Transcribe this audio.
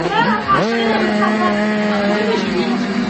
স্বতন্ত্রভাবে ধরলে সেটা শূন্য ছাড়া কিছুই নয়।